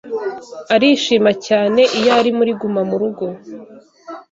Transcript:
Arishima cyane iyo ari muri gumamurugo